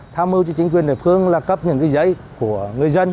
tham mưu cho chính quyền địa phương cấp những giấy của người dân